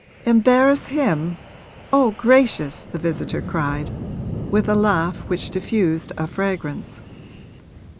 'Embarrass him, oh gracious!' the visitor cried, with a laugh which diffused a fragrance.